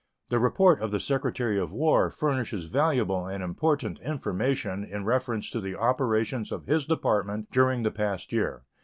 The report of the Secretary of War furnishes valuable and important information in reference to the operations of his Department during the past year.